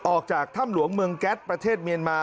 ออกจากถ้ำหลวงเมืองแก๊สประเทศเมียนมา